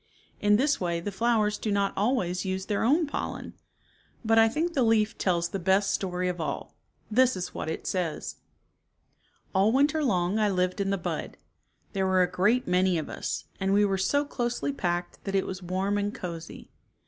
In this way the flowers do not always use their own pollen. But I think the leaf tells the best story of all. This is what it says : "All winter long I lived in the bud. There were a great many of us, and we were so closely packed that it was warm and cozy.